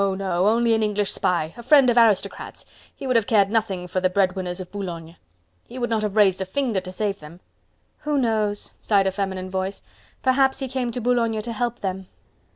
no! only an English spy, a friend of aristocrats... he would have cared nothing for the bread winners of Boulogne..." "He would not have raised a finger to save them." "Who knows?" sighed a feminine voice, "perhaps he came to Boulogne to help them."